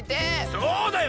そうだよ！